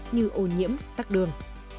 như ô nhiễm tắc đường